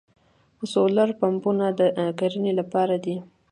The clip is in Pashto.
سولر پمپونه د کرنې لپاره دي.